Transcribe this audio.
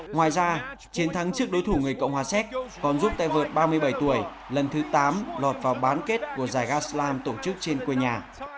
ngoài ra chiến thắng trước đối thủ người cộng hòa séc còn giúp tay vợt ba mươi bảy tuổi lần thứ tám lọt vào bán kết của giải gaza tổ chức trên quê nhà